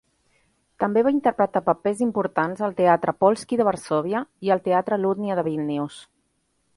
També va interpretar papers importants al Teatr Polski de Varsòvia i al Teatr Lutnia de Vílnius.